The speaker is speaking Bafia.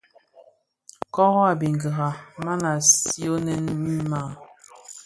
Koro a biňkira, man a siionèn mii maa.